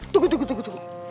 tunggu tunggu tunggu